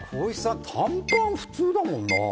短パンは普通だもんな。